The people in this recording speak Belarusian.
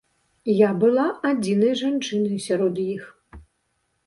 Я была адзінай жанчынай сярод іх.